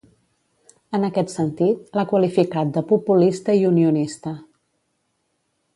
En aquest sentit, l'ha qualificat de "populista i unionista".